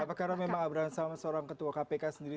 apakah memang abraham samad seorang ketua kpk sendiri